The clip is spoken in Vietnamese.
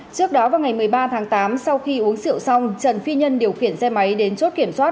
trước đó vào ngày một mươi ba tháng tám sau khi uống rượu xong trần phi nhân điều khiển xe máy đến chốt kiểm soát